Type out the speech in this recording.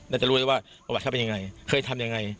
แล้วจะรู้เลยว่าประวัติศาสตร์เป็นยังไงเคยทำยังไง